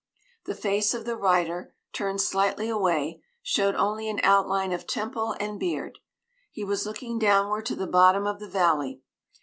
The face of the rider, turned slightly away, showed only an outline of temple and beard; he was looking downward to the bottom of the valley.